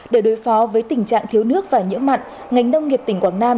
để đối phó với tình trạng thiếu nước và nhiễm mặn ngành nông nghiệp tỉnh quảng nam